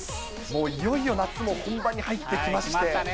もういよいよ夏も本番に入ってきまして。